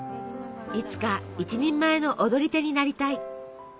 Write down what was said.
いつか一人前の踊り手になりたい。